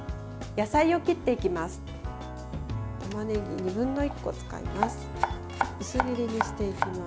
野菜を切っていきます。